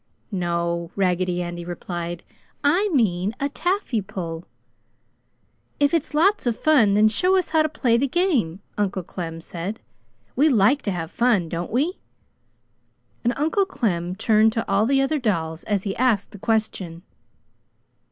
"No," Raggedy Andy replied, "I mean a taffy pull!" "If it's lots of fun, then show us how to play the game!" Uncle Clem said. "We like to have fun, don't we?" And Uncle Clem turned to all the other dolls as he asked the question.